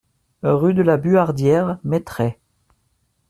Rue de la Buhardière, Mettray